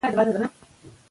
شعر موزون کلام دی.